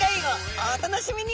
お楽しみに！